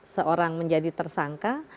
seorang menjadi tersangka